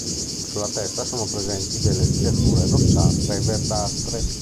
Sulla testa sono presenti delle striature rossastre e verdastre.